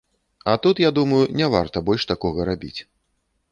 А тут, я думаю, не варта больш такога рабіць.